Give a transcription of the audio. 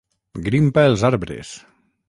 Grimpa els arbres.